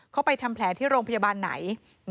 ไปทำแผลที่โรงพยาบาลไหน